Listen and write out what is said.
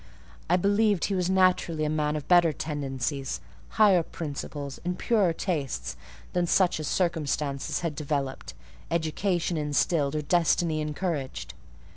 I believed he was naturally a man of better tendencies, higher principles, and purer tastes than such as circumstances had developed, education instilled, or destiny encouraged.